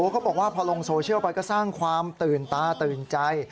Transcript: เขาบอกว่าพอลงโซเชียลไปก็สร้างความตื่นตาตื่นใจ